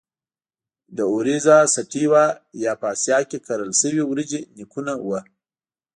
د Oryza sativa یا په اسیا کې کرل شوې وریجې نیکونه وو.